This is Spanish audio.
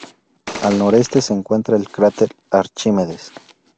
Al noroeste se encuentra el cráter Archimedes.